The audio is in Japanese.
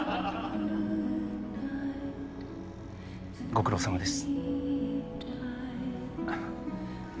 ご苦労さまです。